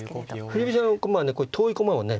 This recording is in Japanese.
振り飛車の駒はねこういう遠い駒をね